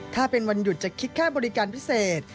ถ้าเป็นวันหยุดจะคิดค่าบริการพิเศษ